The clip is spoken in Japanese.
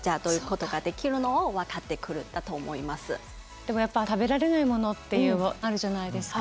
でもやっぱり食べられない物ってあるじゃないですか。